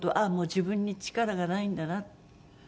あもう自分に力がないんだな」